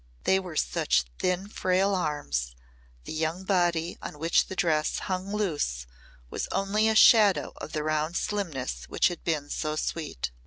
They were such thin frail arms, the young body on which the dress hung loose was only a shadow of the round slimness which had been so sweet.